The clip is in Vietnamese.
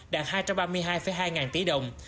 đạt hai trăm ba mươi hai tỷ đồng